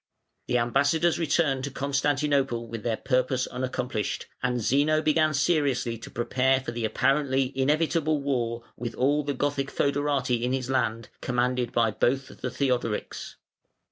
The ambassadors returned to Constantinople with their purpose unaccomplished, and Zeno began seriously to prepare for the apparently inevitable war with all the Gothic fœderati in his land, commanded by both the Theodorics.